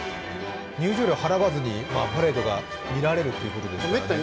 入場料払わずにパレードが見られるということですからね。